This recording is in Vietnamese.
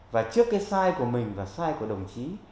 và trước cái sai của mình và sai của đồng chí